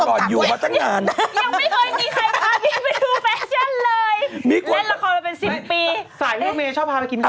ก็เลยไม่ได้มาเล่นกับพี่เหมียวจบตรงแหละ